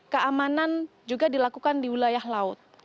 keamanan juga dilakukan di wilayah laut